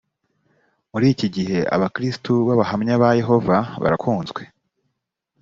muri iki gihe abakirisitu b abahamya ba yehova barakunzwe